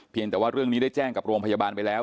แต่ว่าเรื่องนี้ได้แจ้งกับโรงพยาบาลไปแล้ว